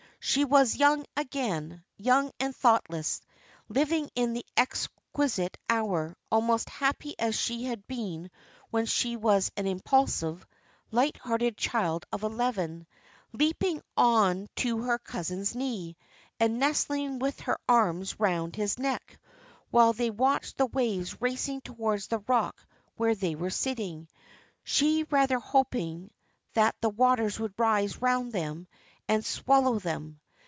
She was young again; young and thoughtless, living in the exquisite hour, almost as happy as she had been when she was an impulsive, light hearted child of eleven, leaping on to her cousin's knee, and nestling with her arms round his neck, while they watched the waves racing towards the rock where they were sitting, she rather hoping that the waters would rise round them and swallow them.